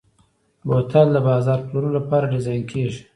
بوتل د بازار پلورلو لپاره ډیزاین کېږي.